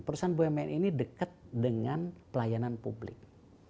perusahaan bumn ini dekat dengan pelayanan publik